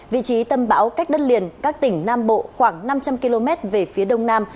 vị trí tâm bão cách đất liền các tỉnh nam bộ khoảng năm trăm linh km về phía đông nam